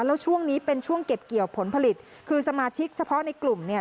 แล้วช่วงนี้เป็นช่วงเก็บเกี่ยวผลผลิตคือสมาชิกเฉพาะในกลุ่มเนี่ย